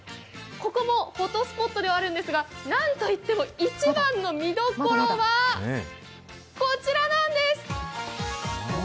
ここもフォトスポットではあるんですが、一番の見どころはこちらなんです！